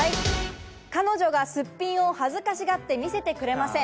彼女がスッピンを恥ずかしがって見せてくれません。